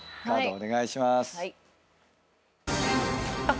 はい。